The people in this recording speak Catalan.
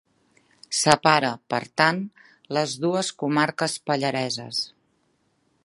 Separa, per tant, les dues comarques pallareses.